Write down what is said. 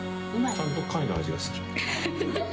ちゃんと貝の味がする。